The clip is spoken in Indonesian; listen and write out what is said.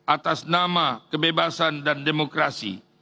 atas nama kebebasan dan demokrasi